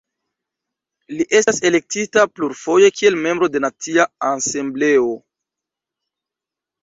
Li estas elektita plurfoje kiel Membro de Nacia Asembleo.